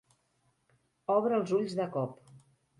Obre els ulls de cop.